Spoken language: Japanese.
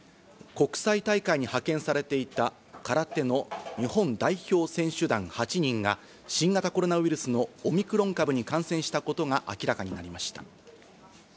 国際大会に派遣されていた空手の日本代表選手団８人が新型コロナウイルスのオミクロン株に感染したことが明らかになりました。